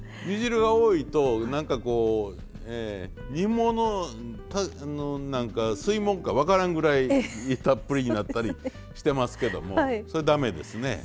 煮汁が多いと何かこう煮物なんか吸い物か分からんぐらいにたっぷりになったりしてますけどもそれ駄目ですね。